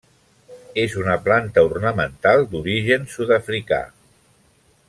És una planta ornamental d'origen sud-africà.